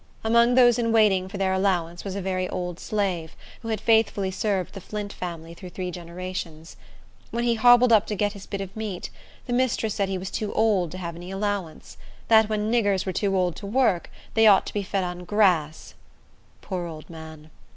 Among those in waiting for their allowance was a very old slave, who had faithfully served the Flint family through three generations. When he hobbled up to get his bit of meat, the mistress said he was too old to have any allowance; that when niggers were too old to work, they ought to be fed on grass. Poor old man!